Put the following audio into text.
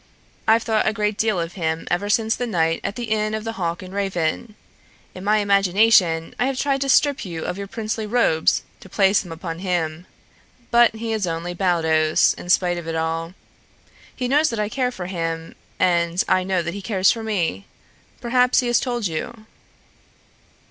I've thought a great deal of him ever since the night at the Inn of the Hawk and Raven. In my imagination I have tried to strip you of your princely robes to place them upon him. But he is only Baldos, in spite of it all. He knows that I care for him, and I know that he cares for me. Perhaps he has told you."